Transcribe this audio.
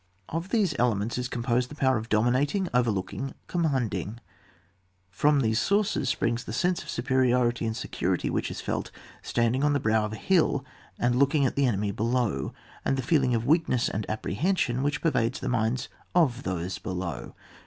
Of these elements is composed the power of dominating, overlooking, com manding ; from these sources springs the sense of superiority and security which is felt in standing on the brow of a hill and looking at the enemy below, and the feeling of weakness and apprehension which pervades the minds of those below.